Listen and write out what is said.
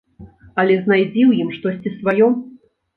Але знайдзі ў ім штосьці сваё.